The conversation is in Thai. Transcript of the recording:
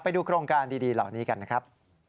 ไปดูโครงการดีเหล่านี้กันนะครับ